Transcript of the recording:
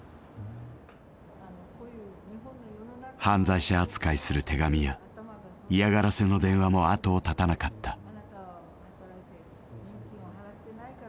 犯罪者扱いする手紙や嫌がらせの電話も後を絶たなかった。